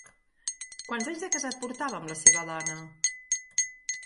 Quants anys de casat portava amb la seva dona?